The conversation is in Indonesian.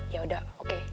ya udah oke